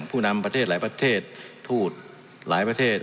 ผู้นำประเทศหลายประเทศทูตหลายประเทศ